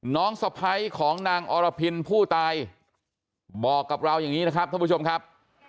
สะพ้ายของนางอรพินผู้ตายบอกกับเราอย่างนี้นะครับท่านผู้ชมครับ